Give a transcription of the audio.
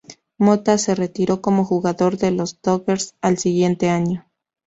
Mota se retiró como jugador de los "Dodgers" el año siguiente.